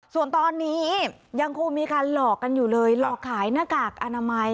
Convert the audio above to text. ส่วนตอนนี้ยังคงมีการหลอกกันอยู่เลยหลอกขายหน้ากากอนามัย